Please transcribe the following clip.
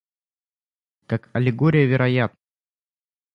как аллегория вероятна.